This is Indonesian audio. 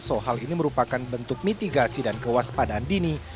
soal ini merupakan bentuk mitigasi dan kewaspadaan dini